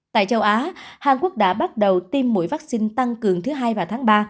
tại châu á hàn quốc đã bắt đầu tiêm mũi vaccine tăng cường thứ hai và tháng ba